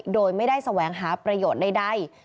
โดยไม่ได้แสวงหาประโยชน์ใด